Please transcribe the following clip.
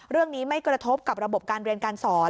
ไม่กระทบกับระบบการเรียนการสอน